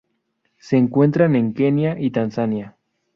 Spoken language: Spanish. Se encuentran en Kenia y Tanzania.